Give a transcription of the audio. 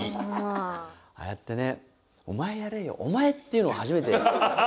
ああやって、お前やれよ、「お前」っていうのを初めて。